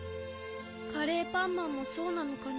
カレーパンマンもそうなのかな？